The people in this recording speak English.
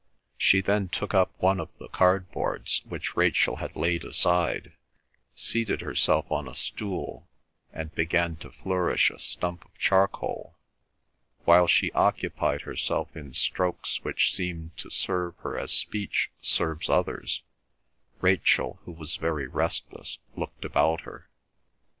She then took up one of the cardboards which Rachel had laid aside, seated herself on a stool, and began to flourish a stump of charcoal. While she occupied herself in strokes which seemed to serve her as speech serves others, Rachel, who was very restless, looked about her.